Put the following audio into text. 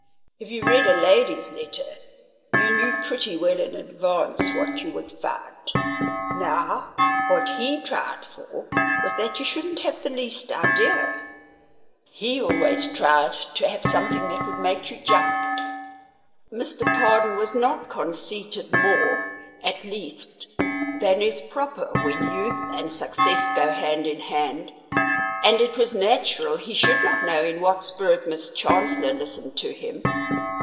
If you read a lady's letter you knew pretty well in advance what you would find. Now, what he tried for was that you shouldn't have the least idea; he always tried to have something that would make you jump. Mr. Pardon was not conceited more, at least, than is proper when youth and success go hand in hand, and it was natural he should not know in what spirit Miss Chancellor listened to him.